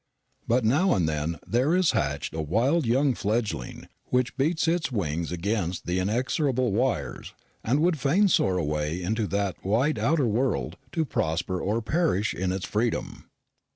But now and then there is hatched a wild young fledgeling, which beats its wings against the inexorable wires, and would fain soar away into that wide outer world, to prosper or perish in its freedom.